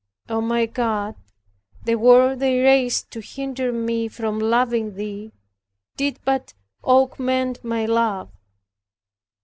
O my God, the war they raised to hinder me from loving Thee did but augment my love.